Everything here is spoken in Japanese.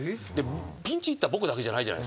ピンチヒッター僕だけじゃないじゃないですか。